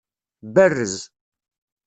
Berrez.